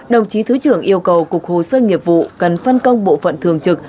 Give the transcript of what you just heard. đồng chí thứ trưởng yêu cầu cục hồ sơ nghiệp vụ cần phân công bộ phận thường trực